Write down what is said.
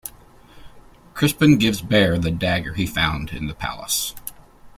Crispin gives Bear the dagger he found in the palace.